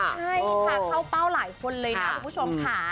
ใช่ค่ะเข้าเป้าหลายคนเลยนะคุณผู้ชมค่ะ